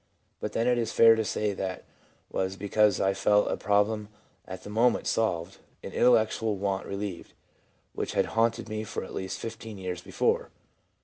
But then it is fair to say that was because I felt a problem at that moment solved — an intellectual want relieved — which had Iiaunted me for at least fifteen years before!